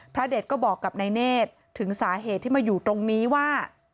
เด็ดก็บอกกับนายเนธถึงสาเหตุที่มาอยู่ตรงนี้ว่า